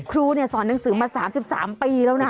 ครูสอนหนังสือมา๓๓ปีแล้วนะ